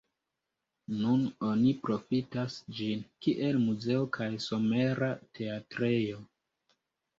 Nun oni profitas ĝin, kiel muzeo kaj somera teatrejo.